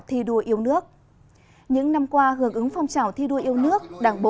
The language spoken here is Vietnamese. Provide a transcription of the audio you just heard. thi đua yêu nước lần thứ năm giai đoạn hai nghìn hai mươi hai nghìn hai mươi năm